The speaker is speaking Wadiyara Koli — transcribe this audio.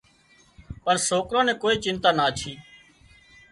پڻ سوڪران نين ڪوئي چنتا نا ڇي